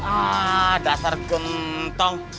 ah dasar gentong